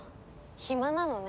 暇なのね。